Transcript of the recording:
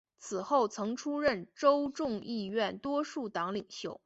此后曾出任州众议院多数党领袖。